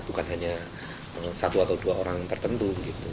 bukan hanya satu atau dua orang tertentu gitu